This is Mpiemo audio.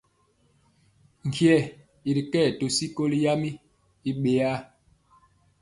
Nkye i kɛ to sikoli yam i ɓeyaa.